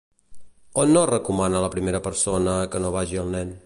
On no recomana la primera persona que no vagi el nen?